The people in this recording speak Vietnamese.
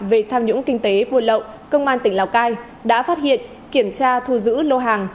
về tham nhũng kinh tế buôn lậu công an tỉnh lào cai đã phát hiện kiểm tra thu giữ lô hàng